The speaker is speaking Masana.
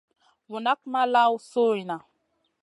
Vu nak ma lawn sui nʼa.